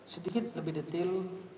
sedikit lebih detail